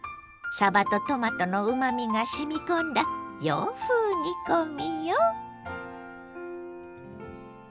さばとトマトのうまみが染み込んだ洋風煮込みよ。